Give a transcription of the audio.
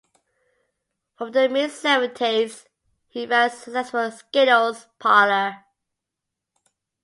From the mid seventies he ran a successful skittles parlor.